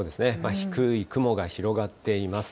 低い雲が広がっています。